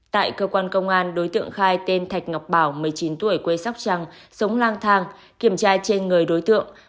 tại cơ quan công an đối tượng khai tên thạch ngọc bảo một mươi chín tuổi quê sóc trăng sống lang thang kiểm tra trên người đối tượng